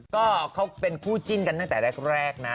ก็เขาเป็นคู่จิ้นกันตั้งแต่แรกนะ